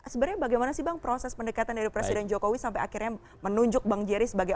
sebenarnya bagaimana sih bang proses pendekatan dari presiden jokowi sampai akhirnya menunjuk bang jerry sebagai